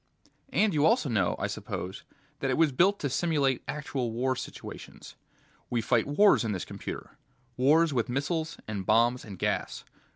"And you also know, I suppose, that it was built to simulate actual war situations. We fight wars in this computer ... wars with missiles and bombs and gas.